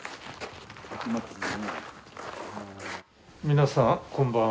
皆さんこんばんは。